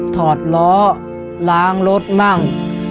ถอดล้อล้างรถมั่ง